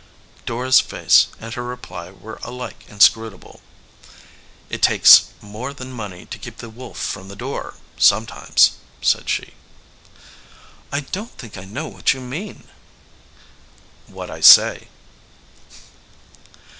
Dora s face and her reply were alike inscrutable. "It takes more than money to keep the wolf from the door, sometimes," said she. "I don t think I know what you mean." "What I say."